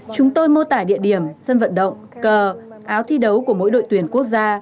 chúng tôi mô tả địa điểm sân vận động cờ áo thi đấu của mỗi đội tuyển quốc gia